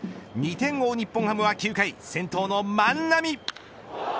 ２点を追う日本ハムは９回先頭の万波。